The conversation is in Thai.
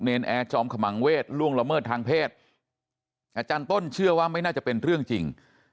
แอร์จอมขมังเวศล่วงละเมิดทางเพศอาจารย์ต้นเชื่อว่าไม่น่าจะเป็นเรื่องจริง